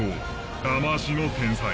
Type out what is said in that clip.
だましの天才。